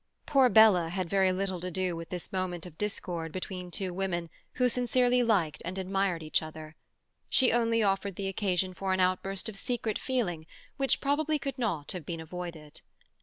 Poor Bella had very little to do with this moment of discord between two women who sincerely liked and admired each other. She only offered the occasion for an outburst of secret feeling which probably could not have been avoided.